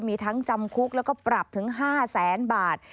มีทั้งจำคุกแล้วก็ปรับถึง๕แสนบาท